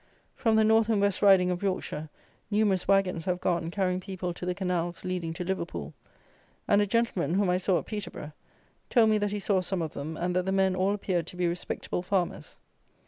From the North and West Riding of Yorkshire numerous wagons have gone carrying people to the canals leading to Liverpool; and a gentleman, whom I saw at Peterboro', told me that he saw some of them; and that the men all appeared to be respectable farmers.